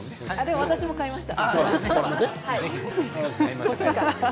私も買いました。